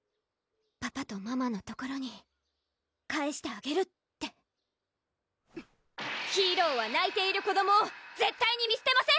パパとママの所に帰してあげるってヒーローはないている子どもを絶対に見すてません！